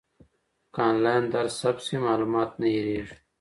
که انلاین درس ثبت سي، معلومات نه هېریږي.